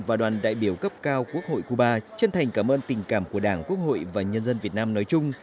và đoàn đại biểu cấp cao quốc hội cuba chân thành cảm ơn tình cảm của đảng quốc hội và nhân dân việt nam nói chung